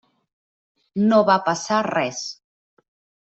No va passar res.